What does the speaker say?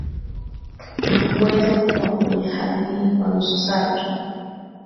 Na huweza kuwa kwenye hali hii kwa nusu saa tu